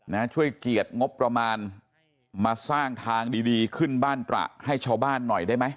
นะช่วยเกียรติงบประมาณมาสร้างทางดีดีขึ้นบ้านตระให้ชาวบ้านหน่อยได้ไหม